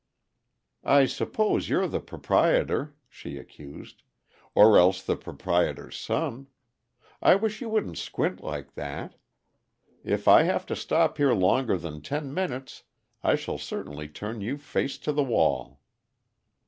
"I suppose you're the proprietor," she accused, "or else the proprietor's son. I wish you wouldn't squint like that. If I have to stop here longer than ten minutes, I shall certainly turn you face to the wall."